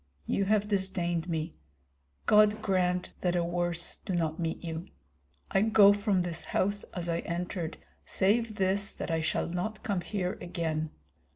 You have disdained me. God grant that a worse do not meet you. I go from this house as I entered, save this that I shall not come here again.